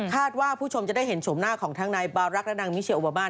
คุณผู้ชมจะได้เห็นชมหน้าของทั้งนายบารักษ์และนางมิเชียโอบามาน